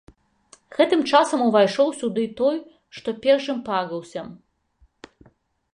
Гэтым часам увайшоў сюды той, што першым парыўся.